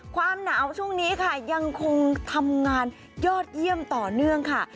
ความหนาวช่วงนี้ค่ะยังคงทำงานยอดเยี่ยมต่อเนื่องค่ะ